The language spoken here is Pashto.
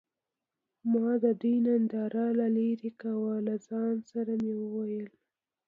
ما د دوي ننداره له لرې کوه له ځان سره مې وويل.